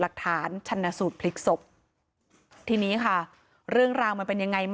หลักฐานชันสูตรพลิกศพทีนี้ค่ะเรื่องราวมันเป็นยังไง